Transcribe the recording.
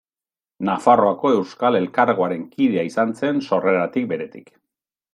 Nafarroako Euskal Elkargoaren kidea izan zen sorreratik beretik.